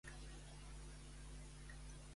Fa que elimini el fetus?